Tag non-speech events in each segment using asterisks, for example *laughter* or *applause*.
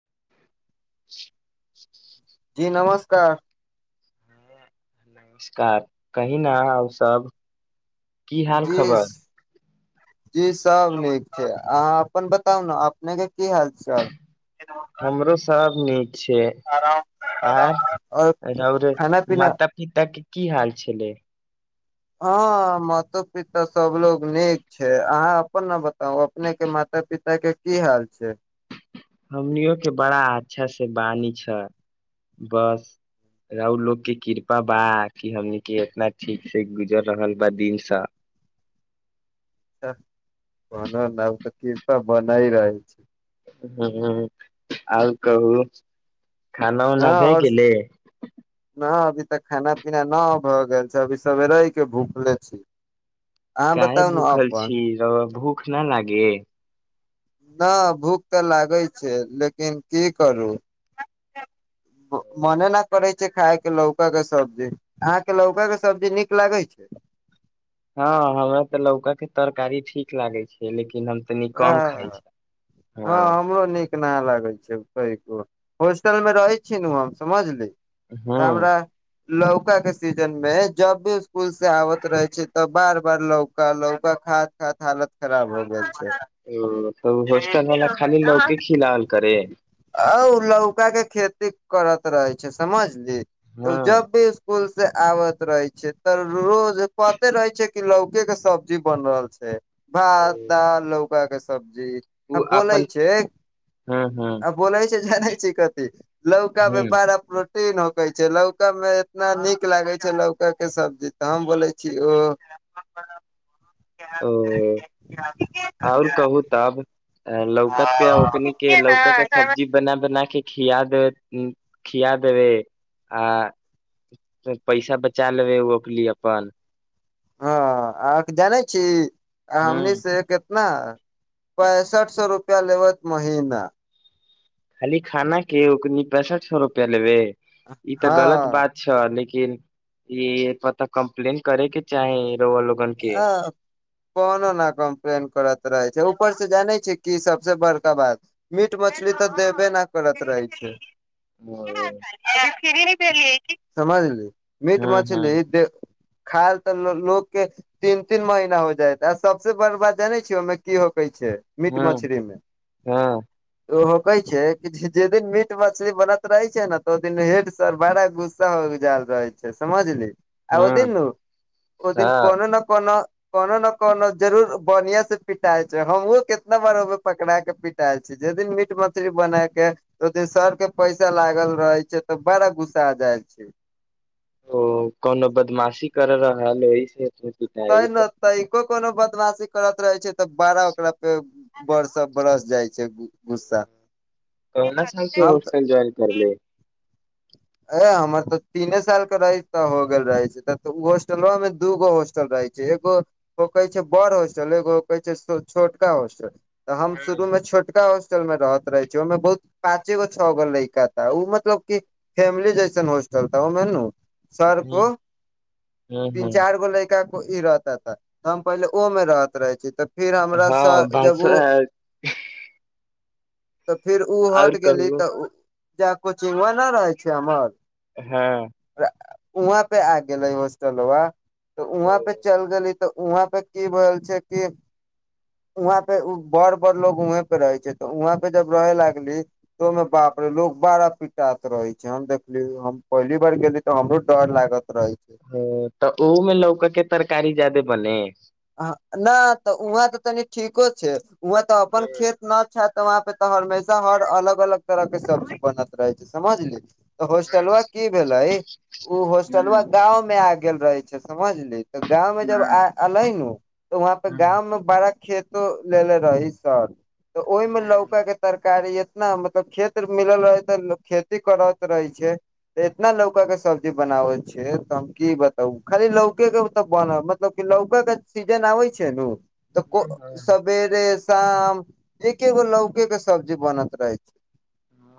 *unintelligible* जी नमस्त- का- नमस्कार। कही ना अहाँ आउरसब। की हाल जी खबर? जी सब नीक छै। अहाँ अपन बताउ ना, अपनेके की हाल-चाल? हमरो सब नीक। छे। आर आओर राउरे खाना पीना माता-पिताके की हाल छलै? हँ, मातो-पिता सभलोग नीक छै। अहाँ अपन न बताउ, अपनेके माता-पिताके की हाल छै? हमनीयो के बड़ा अच्छासे बानी छै। बस राउर लोगके किरपा बा कि हमनीके इतना ठीकसे गुजर रहल बा दिनसँ। तऽ कहुना नाउ तऽ किरपा बनाय रहै छै। हँ, आओर कहू। हँ खाना-उना भे आओर गेलै? न अभी तक खाना-पीना ना भ गेल छै, अभी सवेरे के भूखले छी। अहाँ काहे बताउ ने भूखल अपन छी, रौउवा भू ख ना लागे। ना भूख ते लागै छै, लेकिन की करू मने न करै छै खाय के लौका के सब्जी, अहाँ के लौका के सब्जी नीक लागै छै। हँ, हमरा तऽ लौकाके तरकारी ठीक लागैत छै, लेकिन हम तनी कम खाइ आह, छी हँ हमरो नीक ना लागै छै कनिको। होस्टल मे रहै छी नु हम समझली। ह्म्म। हमरा लौका के सीजन में जब भी स्कूल से आबत रहे छीये, त बार-बार लौका, लौका खात-खात हालत खराब हो जाय हां। उ हॉस्टल वला खाली लौके खिलावल करे। आ उ लौका के खेती करत रहे छै समझ ली, उ हँ जब भी स्कूल से आबत रहे छीये त रोज पते रहे छै कि लौके के सब्जी बन रहल छै, भात, दाल, लौका के सब जी, आ ओ बोलै अपन छै, हँ हँ आ बोलै ए जाने छी कथी लौका मे हँ बारा प्रो टीन होकै छै, लौका मे एतना नीक लागै छै, लौका के सब्जी तऽ हम बोलै छी ओ ओ और कहु तब अ लौका पे ओकनी के लौका का सब्जी बना बना के खिया देबे, उम्म खिया देबे आ पैसा बचा लेबै ओके लिये अपन हाँ, अहां के जानै छी। आ हमनी हँ से केत ना पैंसठ सौ रुपया लेबत महीना। खाली खाना के ओकनी पैंसठ सौ रुपया लेबै। ई ते गलत हँ बात छा, ले किन, इहे प ते कम्प्लेन करे के चाही। रउआ लोगन के अ कोनो ना कंप्लेन करत रहै छै, ऊपर से जानै छीयै कि सबसे बड़का बात मीट-मछली त देबे ना करत रहै छै। हां। समझली। हँ मीट-मछली दे खाएले ते लो लोक के तीन-तीन महीना हो जाएत, आ सबसे बड़ बात जानै छियै ओय मे की हो कै छै मीट, हँ मछरी मे हँ ओ हो कहै छै जे दिन मीट मछली बनत रहे छै ने तऽ ओ दिन हेड सर बड़ा गुस्सा हो जल रहे छै समझली। आ ओ हँ दिन ओदिन हँ कोनो न। को कोनो ने कोनो जरूर बढ़िया से पिटाएल छै हमहु कितना बार ओ पकड़ा के पिटाएल छी जे दिन मीट मछली बना के ओ दिन सर के पैसा लागल रहै छै तऽ बड़ा घुसा जाय छै। *unintelligible* ओ कोनो बदमाशी कर रह हल एहि से। *unintelligible* तऽ *unintelligible* कोनो बदमाशी करत रहै छै। ब बारह ओकरा पे। *unintelligible* बरस -बरस जाइ छै गुस्सा। कहना साल छै हम होॉस्टल ज्वइन तऽ करल। *unintelligible* ए हमर तऽ तीने साल के रहे त हो गेल रहे छैहो होस्टलो मे दूगो होस्टल। ल रहै छै एगो कहै छै बड़ होॉस्टल एगो कहै छै छोटका होॉस्टल तऽ हम शुरू हँ मे छोटका होॉस्टल मे रहत रहे छ ओहिमे बहुत पाँचे गो छओ गो लड़का ा ओ मतलब कि फैमिली जैसन होॉस्टल ा ओहिमे नू। सर हँ को *unintelligible* हँ तीन हँ चार गो लैका। ई रहता त हम पहिले ओ में रहत रहे छी तऽ। फिर हमरा हँ सर बस। जब ओ *unintelligible* तऽ फेर ओ हट गेली तऽ। *unintelligible* जा कोचिंगग व नहि रहै छै अमर। *unintelligible* हँ। *unintelligible* वहाँ पे आगे नहि होस्टला। *unintelligible* तऽ वहाँ। *unintelligible* ी तऽ वहं पे की भेल छै कि वहं पे बड़ बड़ लोग वहे पे रहे छै त वहं पे जब रहे लागली त ओहिमे बापरे लोग बारा पिटाात रहे छै हम देखली हम पहली बार गेली तऽ हमरो डर लागत। रहे छै ओ तऽ ओमे ल क के। *unintelligible* तरकारी ज्यादे बने। *unintelligible* नहि तऽ वहाँ तऽ तनि ठीको छै। *unintelligible* वह तऽ अपन हँ खेत न छ। *unintelligible* तऽ वहाँ पे तऽ हमेशा हर अलग- अलग तरह के सब्जी बनैत रहै छै समझली। तऽ हँ हॉस्टलुवा की भेले उ हॉस्टलवा हँ गाँंव मे आ गेल रहे। समझलै। *unintelligible* गाँंवं जब हँ एलै। *unintelligible* हो त वहाँपे हँ गाँंव मे बड़ा खेत। *unintelligible* तो लेनेे रहा ही साल। *unintelligible* तऽ ओहिमे लौका के हँ तरकारी या। *unintelligible* इतना मतलब खेत मिलल रहै तऽ खेती करत रहे छै एतना लौका के सब्जी बनाबे छै तऽ हम की बताब खाली लौके के त बन मतलब क लौका के। सीजन आै छैनू। *unintelligible* तऽ को- हँ सबेरे। *unintelligible* काम एकेगो लौके के सब्जी बनैत रहै छै।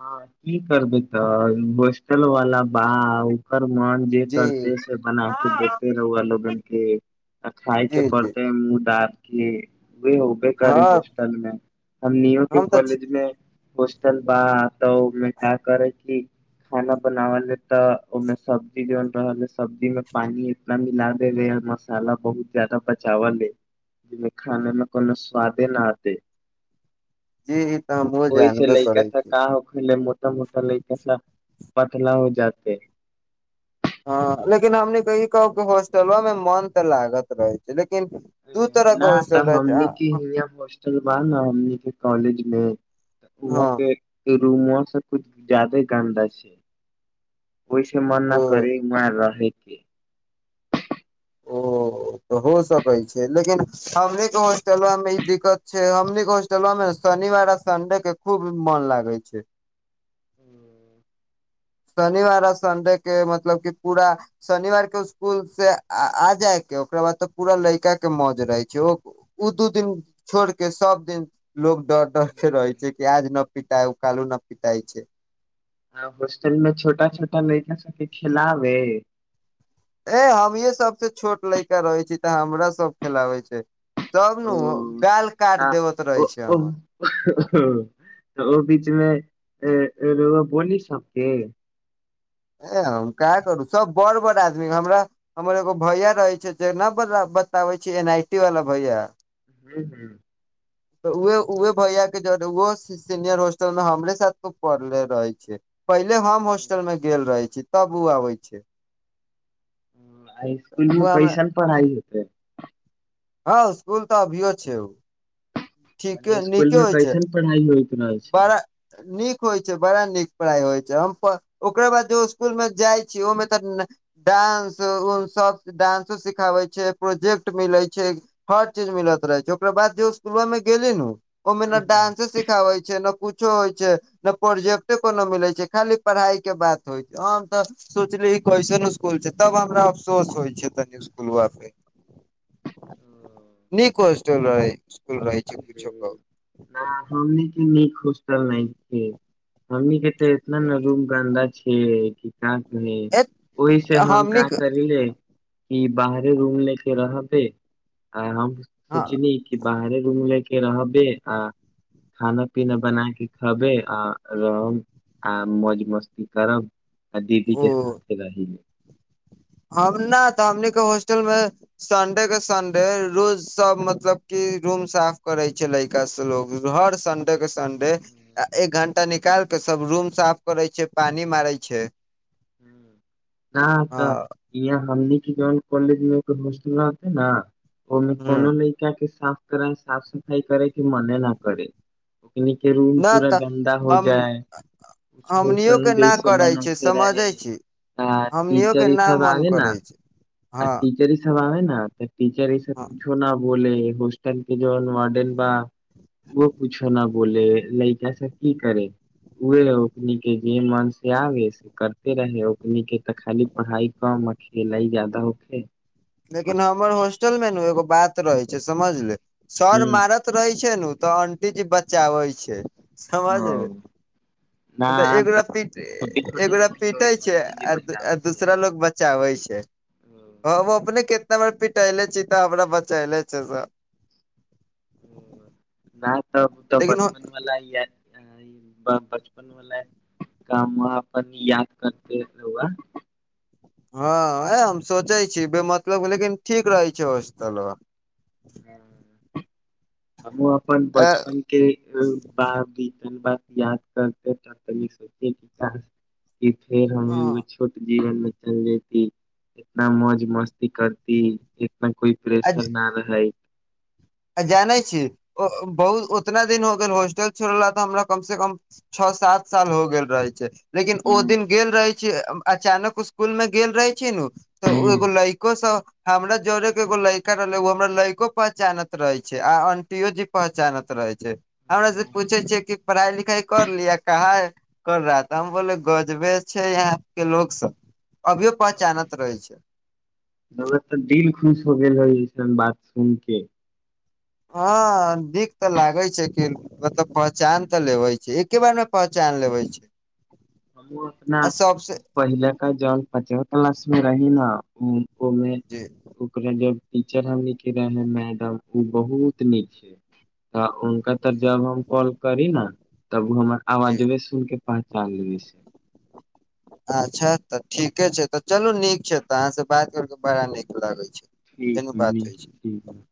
हँ की करबै तऽ होस्टल वाला बाउ ओकर मन जे जी करतेै से बना के देे रहुआ लोगन की त खाायके जी जी पड़तै मुँह द। *unintelligible* कि। *unintelligible* वे होबे करे हँ होॉस्टल मे हम नो के हम तऽ कॉलेज मे। पोश चल बा तऽ ओहिमे क्य करे क खाना बनावले तऽ ओहिमे सब्जी जन रहल सब्जी मे पानी इतना मिला देे मसाला बहुत जादा बचावले जाहिमे खाना मे कोनो स्वादे न हते। जी ई तऽ हमहु जानबे करै। त छी का होक पहिले मोटा मोटा लइका सब पतला हो जाते है। हँ लेकिन हमनी इ कहब होस्टलो मे मन तऽ लागत रहै छै। लेकिन दू तरह ना के होस्टल तऽ रहै छै हमनी के इहाँ होस्टल बा न हमनी के कॉलेज *unintelligible* हँ उहाँके रूमआ सब कुछ जादे गन्दा छै। ओहिस मन न ओ करै रहै उहाँ रहै के। *unintelligible* ओ तऽ हो सकै छै लेकिन हमनीके हॉस्टलवा में ई दिक्कत छै हमनीके हॉस्टलवा में शनिवार आ संडेके खूब मन लागै छै। *unintelligible* शनिवार आ संडे के मतलब कि पूरा शनिवारके स्कुल से आ जायके ओकरा बाद तऽ पूरा लड़िका के मौज रहै छै ओ ओ दू दिन छोड़ के सब दिन लोग डर डरके रहै छै कि आज नहि पिटाय ओ कालू नहि पिटाइ छै। ह होस्टल मे छोटा छोटा लड़का सबके खिलाबे। ए हमीे सबसँ छोट लड़का रहै छी तऽ हमरा सब खेलाबै छै। तब ओ नु गाल काट देबत ओ रहे छै ओ हमर त ओ बीचमे ए ए रौआ बोली सबके? ए हम क करू सब बड़ बड़ आदमी हमरा हमर एगो भैया रहै छै जे ना बताबै छी एनाहयते वाला भैया। हू हू तऽ उ उे भैया के जरे ओ सीनियर होस्टल मे हमरे साथ पढ़ले रहै छी। पहिले हम हॉस्टल में गेल रहे छी। तब ओ आबै छै। आ इसकूल ओ मे हमरा कैसन पढ़ाई होइ? त हँ स्कुल तऽ अभियो छै ओ। आ ठीके इसकुल नीके में होइ छै कैसन पढ़ाई होइ? बड़ा नीक होइ छै बड़ा। ठीक पढ़ाइ होइ छै हम ओकरा बाद जो इसकुल मे जाइ छी ओहिमे तऽ डांस सब डानंसो सिखाबै छै प्रोजेक्ट मिलै छै हर चीज मिलत रहै छै ओकरा बाद जे इसकुलवा में गेली नू की। ओय मे ना हूँ हूँ डांसे सी रहै छै ना कुछो होय छै ना प्रोजेक्टे कोनो मिलै छै, खाली पढ़ाई के बात होएत, हम त सोचली ई कैसन इसकुल छै, तब हमरा अफसोस होय छै तनि इसकूलबा पे, निक हॉस्टलबा रहै, स्कूल रहे छै कीछो के। आ हमनी के नीक होस्टल नैखे, हमनी के ते एतना ना रूम गन्दा छीये, किताब नी, ए ओहि से हम हमनी का करै ले कि बाहरे रूम ले के रहते आ हम ओ सोचनी कि बाहरे रूम लएके के रहबे आ खाना-पीना बना के खबे आ रहब आ मौज-मस्ती करब आ दीदी के साथे रहिब। हम ना तऽ हमनी के होस्टल मे संडे के संडे रोज सब मतलब कि रूम साफ करे छै लयका से लोग, हर संडे के संडे ए एक घंटा निकाल के सब रूम साफ करै छै, पानी मारै छै। राह तऽ हँ इहाँ हमनी के जौन कॉलेज मे *unintelligible* हॉस्टलबा रहते ना ओय मे ह कोनो लयका के साफ कराई, साफ-सफाई करै के मने ना करे। किन्ही के रूम न पूरा तऽ गन्दा हो हम जाय, हमनियो ओसेही के ना जैसे करै मन छै ओयसे रही। समझै छी ता हमनियो टीचर के ई ना सब मन आबे ना करै छै आ हँ टीचरे सब आबे न हां ते टीचर ऐसे हँ कुछो ना बोले। *unintelligible* ते रहे, ओकनी के तऽ खाली पढ़ाई कम आ खेलई जादा होखे। लेकिन बस हमर हॉस्टल मे ने एगो बात रहै छै समझली। सर ह मारत रहै छै नु तऽ आंटी जी बचाबै छै। समझली। हाँ ते न एकगोरा तऽ पीट, छोटी छोटी एकगोरा रही पीटै वही छै आंटी जी आ दु आ बचाबै दूसरा छै लोग बचाबै छै, ओ उहे अपने कतना बड़ा पी टे एले छी तऽ हमरा बचैले छै सब। *unintelligible* तऽ उ तऽ लेकिन बचपन वला यार वह बचपन वला काम अपन याद करते रौउवा। हाँ एह हम सोचै छी बे मतलब के, लेकिन ठीक रहै छै हॉस्टलबा। *unintelligible* हमु अपन बचपन के उम्म बाहर बितल बा। याद करके ता तनिक सोची *unintelligible* कि फेर हमी उहे छोट जीवन में चल जेती, इतना मौज-मस्ती करती। पर कोई प्रेशर न रहै। आ जानै छी बहुत उतना दिन हो गेल होॉस्टल छोड़ला तऽ हमरा कम से कम छओ सात साल हो गेल रहै छै। लेकिन ओ दिन गेल रहे छी। *unintelligible* अचानक स्कुल में गेल रहे छै न। *unintelligible* तऽ ओ एगो लैकोसँ हमरा जरे। एगो लड़का रहलेै ओ हमरा लड़को पहचानत। *unintelligible* रहै छै आ आंटियो जी पहचानत रहै छै हमर से पूछै छियै कि पढ़ाई लिखाई कर लिय क कर रहा तऽ हम बोले गजबे छै यहााँ के लोको सब। अभियो पहचानत रहे छै *unintelligible* तऽ दिल खुश हो गेल रहै। बात सुन के। *unintelligible* हँ दिक तऽ लागै छै कि मतलब पहचान तऽ लेबै छै एके बार मे पहचान लेबै छै। हम ओ अपना आ सबसे पहिल का जल पचत ल। *unintelligible* मे रही ने। *unintelligible* ओमे जी ओकरा जब। *unintelligible* टीचर हमने रहै मैडम ओ बहुत नीक छै तऽ हुनका तऽ जब हम कॉल करी ने। *unintelligible* तब हमर जी आवाजबे सुन के पहचान लेबे। अच्छा तऽ ठीके छै तऽ चलू नीक छै तऽ अहाँ से बात कर क बड़ा नीक लगैत छै। ठीक फेनू ह बात न होइ छै ठीक ह। *unintelligible*